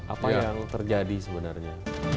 apa yang terjadi sebenarnya